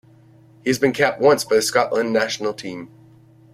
He has been capped once by the Scotland national team.